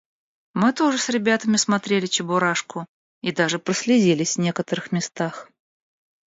Мы тоже с ребятами смотрели "Чебурашку" и даже прослезились в некоторых местах.